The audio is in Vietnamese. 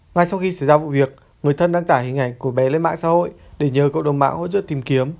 ngay sau khi xảy ra vụ việc người thân đăng tải hình ảnh của bé lên mạng xã hội để nhờ cộng đồng mạng hỗ trợ tìm kiếm